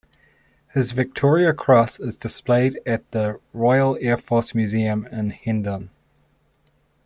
His Victoria Cross is displayed at the Royal Air Force Museum in Hendon.